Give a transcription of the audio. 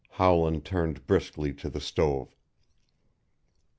Howland turned briskly to the stove.